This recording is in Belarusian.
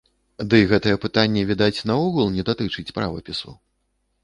Дый гэтае пытанне, відаць, наогул не датычыць правапісу.